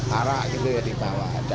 harap gitu ya dibawa